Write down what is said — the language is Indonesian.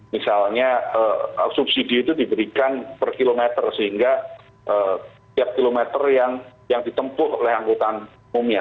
misalnya subsidi itu diberikan per kilometer sehingga tiap kilometer yang ditempuh oleh angkutan umumnya